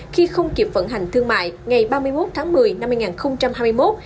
khi không kịp phận hành thương mại ngày ba mươi một tháng một mươi năm hai nghìn hai mươi một